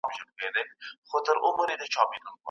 په لاس لیکلنه د ډله ایزو کارونو په پرمختګ کي مرسته کوي.